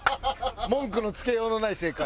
文句のつけようのない正解。